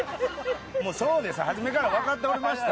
もうそうです、初めから分かっておりました。